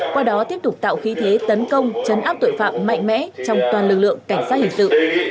qua đó tiếp tục tạo khí thế tấn công chấn áp tội phạm mạnh mẽ trong toàn lực lượng cảnh sát hình sự